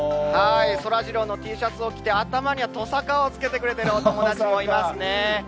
そらジローのＴシャツを着て、頭にはとさかをつけてくれてるお友達もいますね。